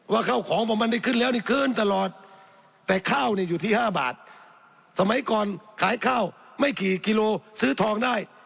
ข้าวของพอมันได้ขึ้นแล้วนี่คืนตลอดแต่ข้าวเนี่ยอยู่ที่๕บาทสมัยก่อนขายข้าวไม่กี่กิโลซื้อทองได้